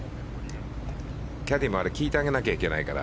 キャディーも聞いてあげないといけないから。